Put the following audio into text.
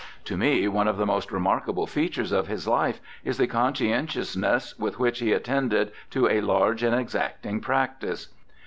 To me one of the most remarkable features of his life is the conscientious ness with which he attended to a large and exacting practice.